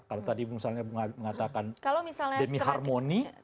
kalau misalnya misalnya mengatakan demi harmoni